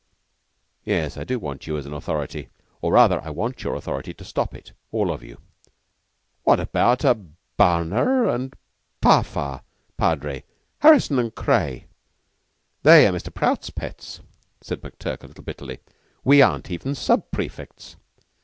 "Yes. I do want you as an authority, or rather I want your authority to stop it all of you." "What about Abana and Pharpar, Padre Harrison and Craye? They are Mr. Prout's pets," said McTurk a little bitterly. "We aren't even sub prefects."